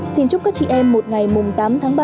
xin chúc các chị em một ngày tám tháng ba